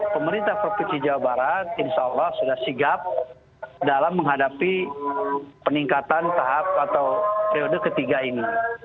pemerintah provinsi jawa barat insya allah sudah sigap dalam menghadapi peningkatan tahap atau periode ketiga ini